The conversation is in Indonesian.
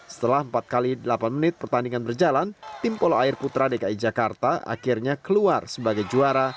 setelah empat x delapan menit pertandingan berjalan tim polo air putra dki jakarta akhirnya keluar sebagai juara